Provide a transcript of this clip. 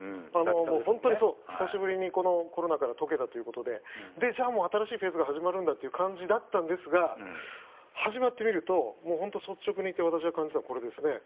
本当に久しぶりにコロナから解けたということでじゃあ、新しいフェーズが始まるという感じだったんですが始まってみるともう本当に率直に言って私が感じたのはこれです。